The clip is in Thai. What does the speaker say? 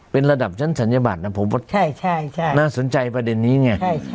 เป็นระดับชั้นศัลยบัตรนะผมว่าน่าสนใจประเด็นนี้ไง